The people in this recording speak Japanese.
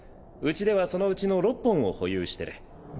うちではそのうちの６本を保有してる。